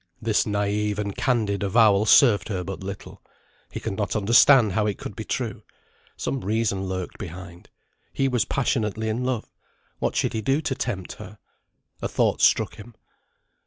This naive and candid avowal served her but little. He could not understand how it could be true. Some reason lurked behind. He was passionately in love. What should he do to tempt her? A thought struck him.